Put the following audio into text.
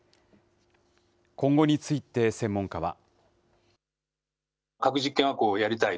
今後について、専門家は。